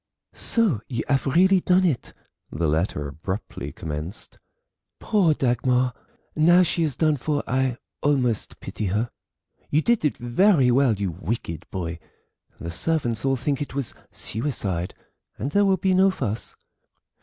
"So you have really done it!" the letter abruptly commenced; "Poor Dagmar. Now she is done for I almost pity her. You did it very well, you wicked boy, the servants all think it was suicide, and there will be no fuss.